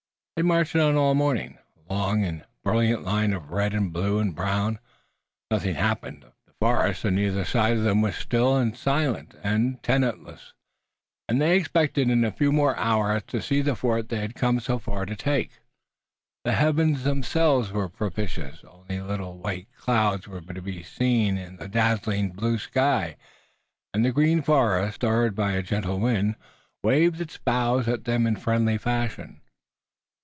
They marched on all the morning, a long and brilliant line of red and blue and brown, and nothing happened. The forest on either side of them was still silent and tenantless, and they expected in a few more hours to see the fort they had come so far to take. The heavens themselves were propitious. Only little white clouds were to be seen in the sky of dazzling blue, and the green forest, stirred by a gentle wind, waved its boughs at them in friendly fashion.